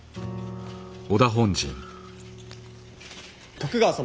徳川様